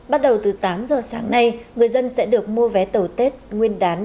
bắt đầu từ tám giờ sáng nay người dân sẽ được mua vé tàu tết nguyên đán